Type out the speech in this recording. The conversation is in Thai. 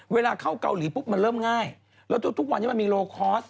เวลาเข้าเกาหลีปุ๊บมันเริ่มง่ายแล้วทุกวันนี้มันมีโลคอร์ส